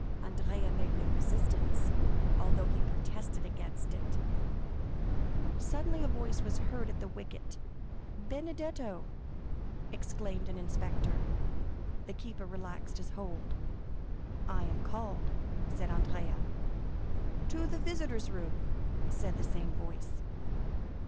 Andrea made no resistance, although he protested against it. Suddenly a voice was heard at the wicket. "Benedetto!" exclaimed an inspector. The keeper relaxed his hold. "I am called," said Andrea. "To the visitors' room!" said the same voice.